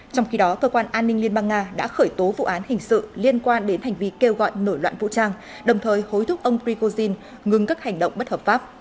trong khi đó cơ quan an ninh liên bang nga đã khởi tố vụ án hình sự liên quan đến hành vi kêu gọi nổi loạn vũ trang đồng thời hối thúc ông prigozhin ngừng các hành động bất hợp pháp